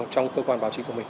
trong cơ quan báo chí của mình